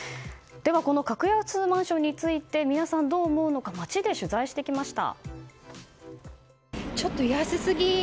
この格安マンションについて皆さんどう思うのか街で取材してきました。